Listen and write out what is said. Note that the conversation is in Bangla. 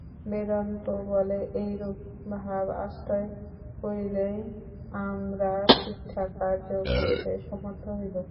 বেদান্ত বলে, এইরূপ ভাব আশ্রয় করিলেই আমরা ঠিক ঠিক কার্য করিতে সমর্থ হইব।